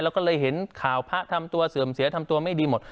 แล้วก็เลยเห็นข่าวพระทำตัวเสื่อมเสียทำตัวไม่ดีหมด